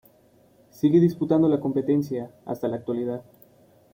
Sigue disputando la competencia hasta la actualidad.